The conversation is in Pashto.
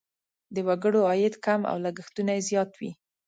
د وګړو عاید کم او لګښتونه یې زیات وي.